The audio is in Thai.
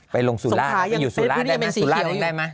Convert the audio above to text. ไปลงสู่ราชอยู่สู่ราชได้ไหม